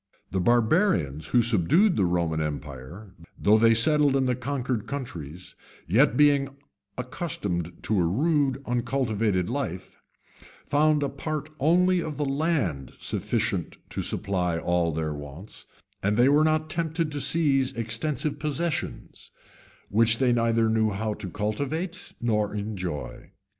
The barbarians who subdued the Roman empire, though they settled in the conquered countries, yet being accustomed to a rude, uncultivated life, found a part only of the land sufficient to supply all their wants; and they were not tempted to seize extensive possessions, which they knew neither how to cultivate nor enjoy.